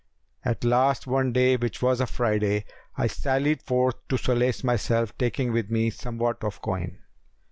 At last one day which was a Friday, I sallied forth to solace myself taking with me somewhat of coin.